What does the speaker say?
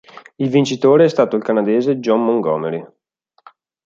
Il vincitore è stato il canadese Jon Montgomery.